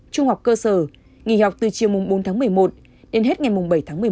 trung học cơ sở nghỉ học từ chiều bốn tháng một mươi một đến hết ngày bảy tháng một mươi một